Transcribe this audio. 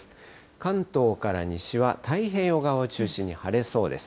関東から西は太平洋側を中心に晴れそうです。